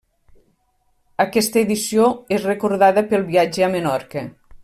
Aquesta edició és recordada pel viatge a Menorca.